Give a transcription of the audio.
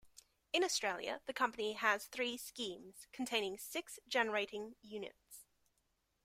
In Australia, the Company has three schemes containing six generating units.